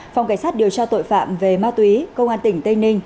phòng cảnh sát điều tra tội phạm về ma túy công an tỉnh tây ninh